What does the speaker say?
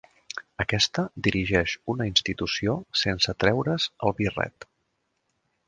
Aquesta dirigeix una institució sense treure's el birret.